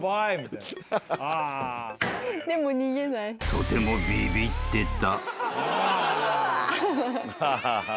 ［とてもビビってた］